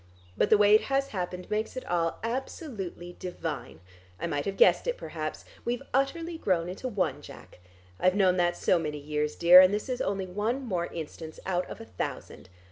But the way it has happened makes it all absolutely divine. I might have guessed it perhaps. We've utterly grown into one, Jack; I've known that so many years, dear, and this is only one more instance out of a thousand.